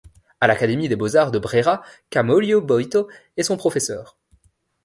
À l’Académie des beaux-arts de Brera, Camillo Boito est son professeur.